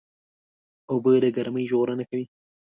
اوبه له ګرمۍ ژغورنه کوي.